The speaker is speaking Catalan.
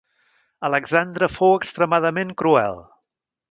Alexandre fou extremadament cruel.